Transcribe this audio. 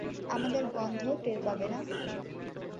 আমাদের গন্ধ টের পাবে না!